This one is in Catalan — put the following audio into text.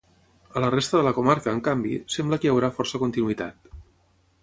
A la resta de la comarca, en canvi, sembla que hi haurà força continuïtat.